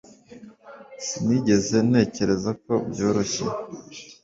Sinigeze ntekereza ko byoroshye